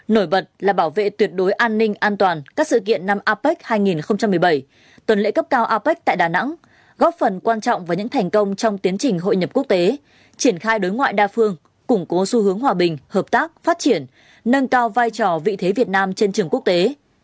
nổi bật là bảo vệ tuyệt đối an ninh an toàn các sự kiện năm apec hai nghìn một mươi bảy tuần lễ cấp cao apec tại đà nẵng góp phần quan trọng vào những thành công trong tiến trình hội nhập quốc tế triển khai đối ngoại đa phương củng cố xu hướng hòa bình hợp tác phát triển nâng cao vai trò vị thế việt nam trên trường quốc tế